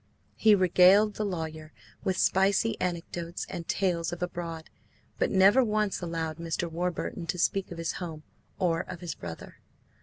He regaled the lawyer with spicy anecdotes and tales of abroad, but never once allowed Mr. Warburton to speak of his home or of his brother.